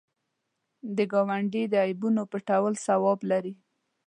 د ګاونډي د عیبونو پټول ثواب لري